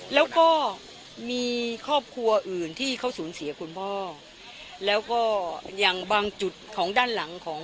แล้วก็มีครอบครัวอื่นที่เขาสูญเสียคุณพ่อแล้วก็อย่างบางจุดของด้านหลังของ